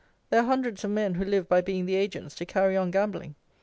There are hundreds of men who live by being the agents to carry on gambling.